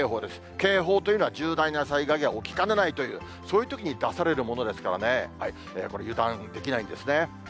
警報というのは重大な災害が起きかねないという、そういうときに出されるものですからね、これ、油断できないんですね。